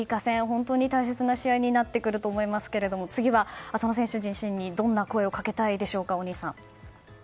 本当に大切な試合になってくると思いますが次は、浅野選手自身にどんな声をかけたいでしょうか。